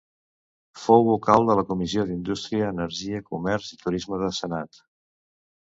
Fou vocal de la Comissió d'Indústria, Energia, Comerç i Turisme del Senat.